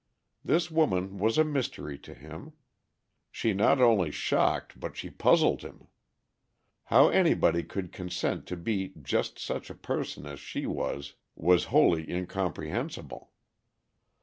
This woman was a mystery to him. She not only shocked but she puzzled him. How anybody could consent to be just such a person as she was was wholly incomprehensible.